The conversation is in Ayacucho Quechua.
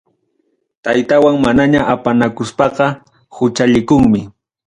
Taytawan manaña apanakuspaqa, huchallikunmi.